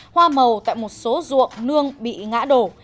hoa màu tại một số ruộng nương bị ngã đổ